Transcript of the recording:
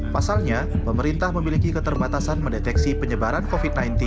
pasalnya pemerintah memiliki keterbatasan mendeteksi penyebaran covid sembilan belas